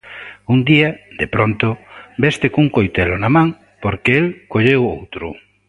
Un día, de pronto, veste cun coitelo na man porque el colleu outro.